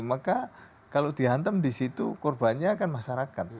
maka kalau dihantam disitu korbannya kan masyarakat